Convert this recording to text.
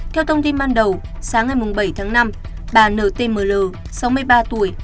theo thông tin ban đầu sáng ngày bảy tháng năm bà ntmll sáu mươi ba tuổi